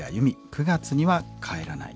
「９月には帰らない」